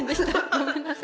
ごめんなさい。